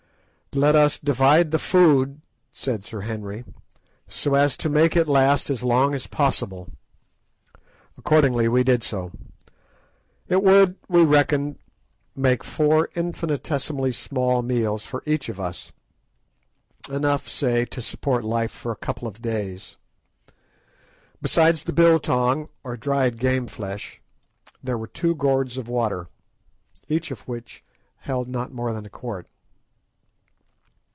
"Let us divide the food," said Sir Henry, "so as to make it last as long as possible." Accordingly we did so. It would, we reckoned, make four infinitesimally small meals for each of us, enough, say, to support life for a couple of days. Besides the "biltong," or dried game flesh, there were two gourds of water, each of which held not more than a quart.